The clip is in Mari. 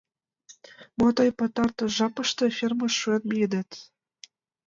— Мо тый пытартыш жапыште фермыш шуэн миедет?